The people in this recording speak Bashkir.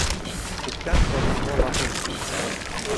Күптән торорға ваҡыт